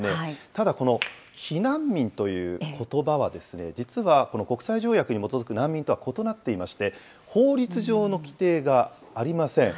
ただ、この避難民ということばはですね、実はこの国際条約に基づく難民とは異なっていまして、法律上の規定がありません。